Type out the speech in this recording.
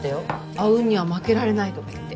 阿吽には負けられないとか言って。